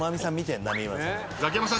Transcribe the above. ザキヤマさん